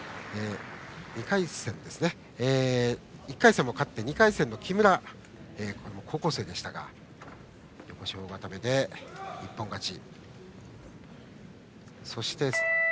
１回戦も勝って、２回戦の木村に高校生でしたが横四方固めで一本勝ち。